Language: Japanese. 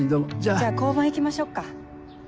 じゃあ交番行きましょっか。